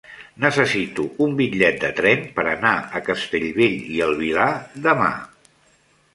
Necessito un bitllet de tren per anar a Castellbell i el Vilar demà.